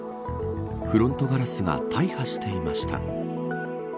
フロントガラスが大破していました。